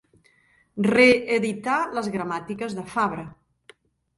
Reeditar les gramàtiques de Fabra.